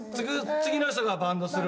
次の人がバントする。